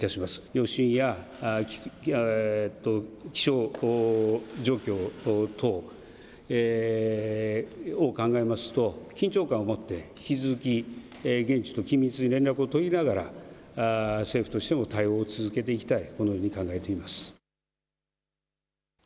余震や気象状況等を考えますと緊張感をもって引き続き、現地と緊密に連絡を取りながら政府としても対応を続けていきたい